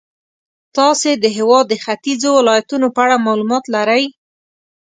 تاسې د هېواد د ختیځو ولایتونو په اړه معلومات لرئ.